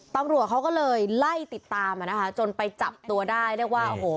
ตำรวจเขาก็เลยไล่ติดตามอ่ะนะคะจนไปจับตัวได้เรียกว่าโอ้โห